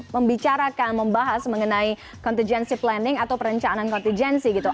membicarakan membahas mengenai contingency planning atau perencanaan kontingensi gitu